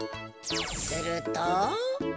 すると。